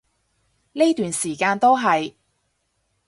呢段時間都係